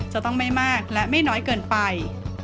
จะต้องไม่มากและไม่น้อยเกินไป